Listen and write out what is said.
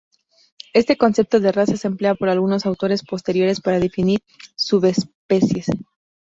Este concepto de raza se emplea por algunos autores posteriores para definir subespecies.